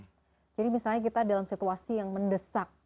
jadi misalnya kita dalam situasi yang mendesak